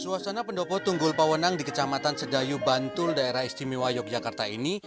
suasana pendopo tunggul pawenang di kecamatan sedayu bantul daerah istimewa yogyakarta ini